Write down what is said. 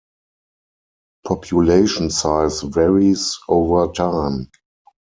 Population size varies over time.